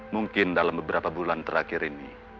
mungkin dalam beberapa bulan terakhir ini